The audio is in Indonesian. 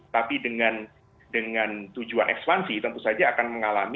tapi dengan tujuan ekspansi tentu saja akan mengalami